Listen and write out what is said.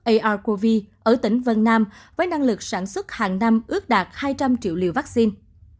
arcov ở tỉnh vân nam với năng lực sản xuất hàng năm ước đạt hai trăm linh triệu liều vaccine